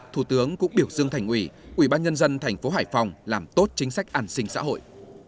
thủ tướng cũng biểu dương thành ủy ủy ban nhân dân thành phố hải phòng làm tốt chính sách an sinh xã hội